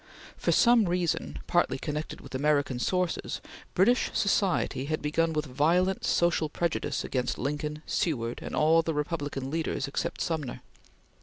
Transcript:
For some reason partly connected with American sources, British society had begun with violent social prejudice against Lincoln, Seward, and all the Republican leaders except Sumner.